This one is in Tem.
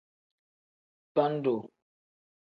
Bendu.